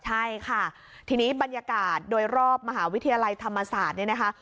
ใช่ค่ะทีนี้บรรยากาศโดยรอบมหาวิทยาลัยธรรมศาสตร์เนี่ยนะคะ